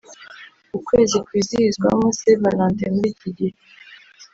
ukwezi kwizihizwamo st valentin muri iki gihe